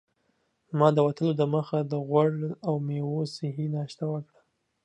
ما د وتلو دمخه د غوړ او میوو صحي ناشته وکړه.